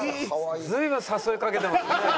随分誘いかけてますね。